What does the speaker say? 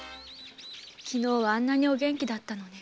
昨日はあんなにお元気だったのに。